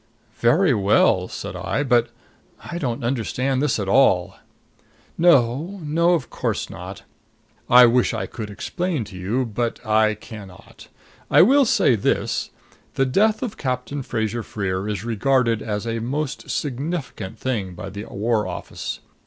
"Very well," said I. "But I don't understand this at all." "No of course not. I wish I could explain to you; but I can not. I will say this the death of Captain Fraser Freer is regarded as a most significant thing by the War Office.